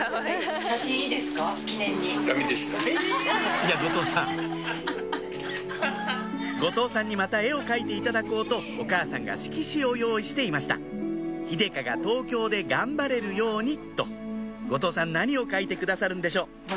いや後藤さん後藤さんにまた絵を描いていただこうとお母さんが色紙を用意していました秀香が東京で頑張れるようにと後藤さん何を描いてくださるんでしょう？